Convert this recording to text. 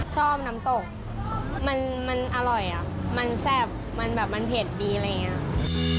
ชอบน้ำตกมันอร่อยอ่ะมันแซ่บมันแบบมันเผ็ดดีอะไรอย่างนี้